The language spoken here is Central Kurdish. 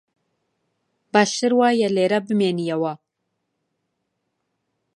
باشتر وایە لێرە بمێنییەوە